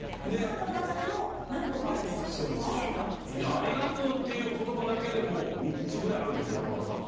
「ありがとう」っていう言葉だけでもう３つぐらいあるんです山形は。